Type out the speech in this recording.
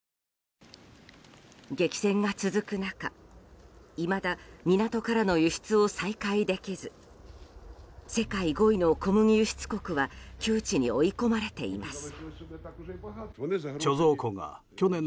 激戦が続く中いまだ港からの輸出が再開できず世界５位の小麦輸出国は窮地に追い込まれています。